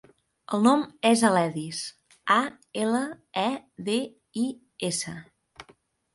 El nom és Aledis: a, ela, e, de, i, essa.